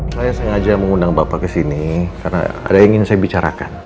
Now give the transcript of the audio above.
saya sengaja mengundang bapak ke sini karena ada yang ingin saya bicarakan